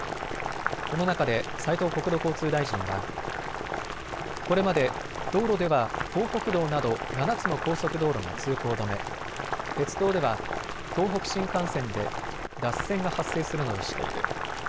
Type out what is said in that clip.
この中で斉藤国土交通大臣はこれまで道路では東北道など７つの高速道路が通行止め、鉄道では東北新幹線で脱線が発生するなどしている。